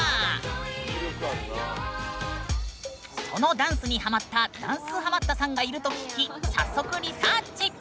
そのダンスにハマったダンスハマったさんがいると聞き早速リサーチ！